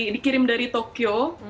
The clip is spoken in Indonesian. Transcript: dikirim dari tokyo